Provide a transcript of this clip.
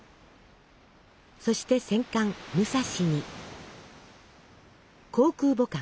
そして戦艦「武蔵」に航空母艦「赤城」。